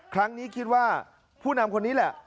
ครั้งนี้คิดว่าผู้นำคนนี้แหละ